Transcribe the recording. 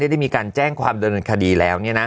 ได้มีการแจ้งความเดินคดีแล้ว